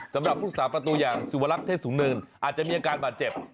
สำหรับพุทธศาสตร์ประตูอย่างสุวรักษณ์เทศสูงเนินอาจจะมีอาการบาดเจ็บ